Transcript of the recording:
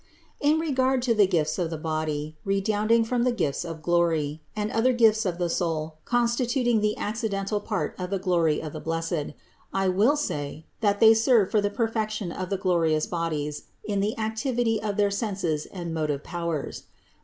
167. In regard to the gifts of the body, redounding from the gifts of glory, and other gifts of the soul con 136 CITY OF GOD stituting the accidental part of the glory of the blessed, I will say, that they serve for the perfection of the glorious bodies in the activity of their senses and motive powers.